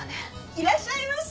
いらっしゃいませ！